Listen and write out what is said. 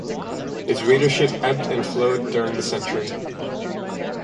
Its readership ebbed and flowed during the century.